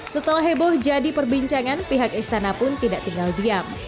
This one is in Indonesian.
setelah heboh jadi perbincangan pihak istana pun tidak tinggal diam